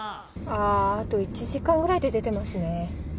ああと１時間ぐらいって出てますね。